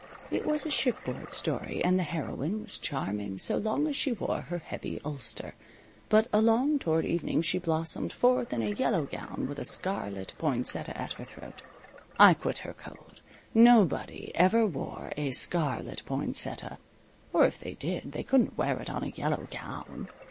It was a shipboard story, and the heroine was charming so long as she wore her heavy ulster. But along toward evening she blossomed forth in a yellow gown, with a scarlet poinsettia at her throat. I quit her cold. Nobody ever wore a scarlet poinsettia; or if they did, they couldn't wear it on a yellow gown.